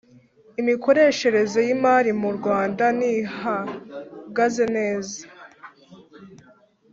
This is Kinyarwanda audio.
imikoreshereze y imali mu Rwanda ntihagaze neza